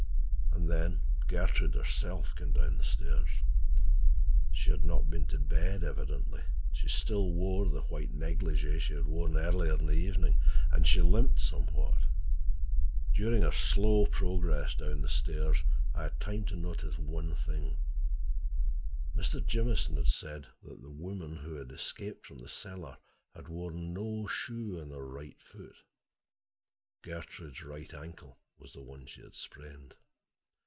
And then Gertrude herself came down the stairs. She had not been to bed, evidently: she still wore the white negligée she had worn earlier in the evening, and she limped somewhat. During her slow progress down the stairs I had time to notice one thing: Mr. Jamieson had said the woman who escaped from the cellar had worn no shoe on her right foot. Gertrude's right ankle was the one she had sprained!